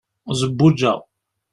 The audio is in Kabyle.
zebbuǧa